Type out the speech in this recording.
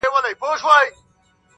که د هغه د حسن په تصور خبرې کوو